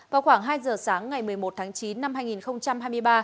vào khoảng hai giờ sáng ngày một mươi một tháng chín năm hai nghìn hai mươi ba